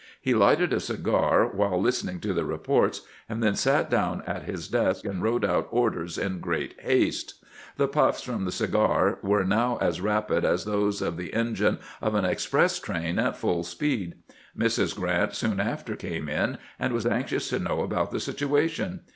He lighted a cigar while listening to the reports, and then sat down at his desk and wrote out orders in great haste. The puffs from the cigar were now as rapid as those of the engine of an express train at full speed. Mrs. Grant soon after came in, and was anxious to know about the situation.